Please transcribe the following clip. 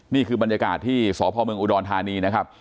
นี่คือบรรยากาศที่สพเมืองอุดรธานีนะครับ